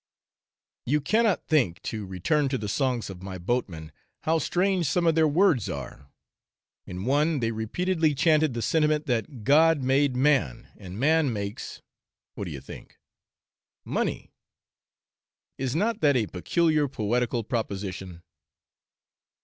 You cannot think (to return to the songs of my boatmen) how strange some of their words are: in one, they repeatedly chanted the 'sentiment' that 'God made man, and man makes' what do you think? 'money!' Is not that a peculiar poetical proposition?